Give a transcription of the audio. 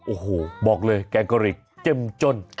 โอ้โหบอกเลยแกงกะหรี่เจ็บจน